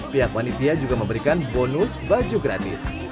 pihak wanitia juga memberikan bonus baju gratis